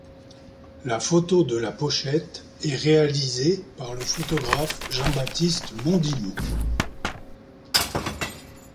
La photo de la pochette est réalisée par le photographe Jean-Baptiste Mondino.